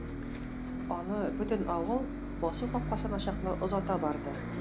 Аны бөтен авыл басу капкасына чаклы озата барды.